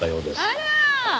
あら！